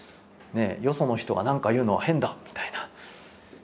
よその人が何か言うのは変だみたいな。